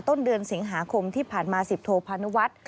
ต้นเดือนสิงหาคมที่ผ่านมาสิบโทพันวัด